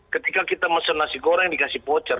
ketika kita mesen nasi goreng dikasih pocor